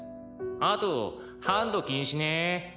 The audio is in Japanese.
「あとハンド禁止ね」